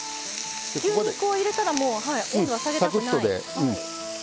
牛肉を入れたら温度は下げたくない。